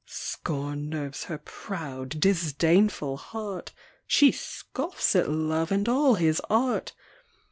Scorn nerves her proud, disdainful heart ! She scoffs at Love and all his art